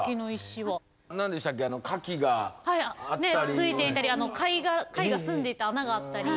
ついていたり貝が住んでいた穴があったり。